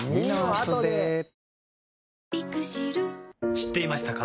知っていましたか？